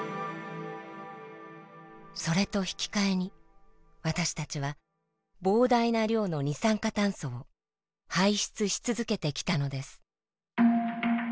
それと引き換えに私たちは膨大な量の二酸化炭素を排出し続けてきたのです。